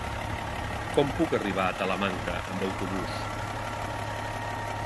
Com puc arribar a Talamanca amb autobús?